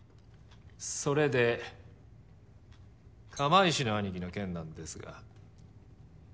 それで釜石のアニキの件なんですが。